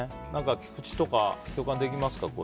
菊地とか共感できますか？